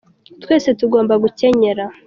twese tugomba gukenyera